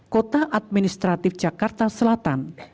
kota administratif jakarta selatan